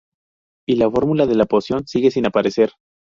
Y la fórmula de la poción sigue sin aparecer.